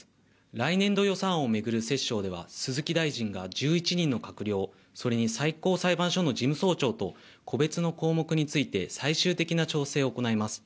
来年度予算案を巡る折衝では鈴木大臣が１１人の閣僚、それに最高裁判所の事務総長と個別の項目について最終的な調整を行います。